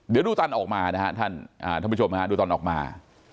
เดี๋ยวดูตอนออกมานะครับท่านท่านผู้ชมนะครับดูตอนออกมา